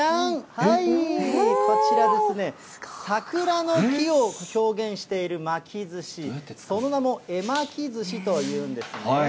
はい、こちらですね、桜の木を表現している巻きずし、その名も、絵巻寿司というんですね。